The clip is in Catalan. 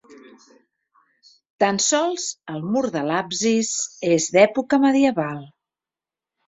Tan sols el mur de l'absis és d'època medieval.